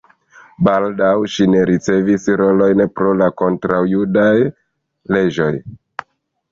Baldaŭ ŝi ne ricevis rolojn pro la kontraŭjudaj leĝoj.